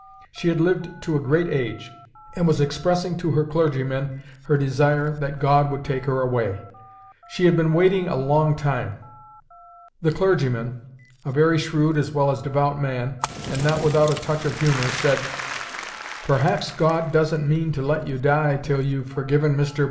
She had lived to a great age, and was expressing to her clergyman her desire that God would take her away: she had been waiting a long time. The clergyman—a very shrewd as well as devout man, and not without a touch of humour, said: 'Perhaps God doesn't mean to let you die till you've forgiven Mr—